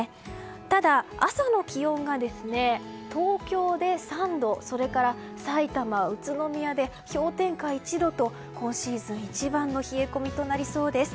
ただ、朝の気温が東京で３度それからさいたま、宇都宮で氷点下１度と今シーズン一番の冷え込みとなりそうです。